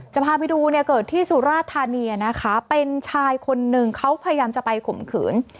จะพาไปดูเนี่ยเกิดที่สุราธานีนะคะเป็นชายคนนึงเขาพยายามจะไปข่มขืน